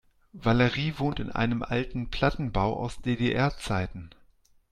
Valerie wohnt in einem alten Plattenbau aus DDR-Zeiten.